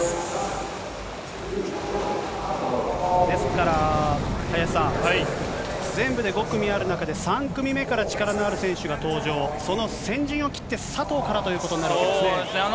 ですから林さん、全部で５組ある中で３組目から力のある選手が登場、その先陣を切って佐藤からということになるわけですね。